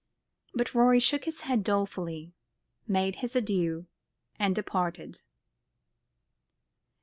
But Rorie shook his head dolefully, made his adieux, and departed.